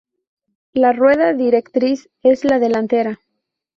La rueda directriz es la delantera.